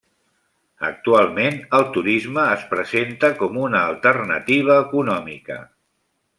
Actualment, el turisme es presenta com una alternativa econòmica.